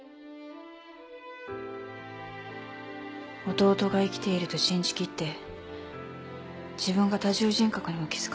弟が生きていると信じきって自分が多重人格にも気付かないでいたなんて。